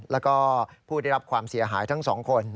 แล้วก็ผู้ได้รับความเสียหายทั้งสองคน